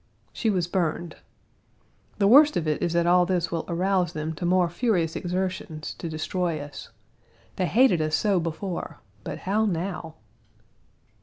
She was burned. The worst of it is that all this will arouse them to more furious exertions to destroy us. They hated us so before, but how now?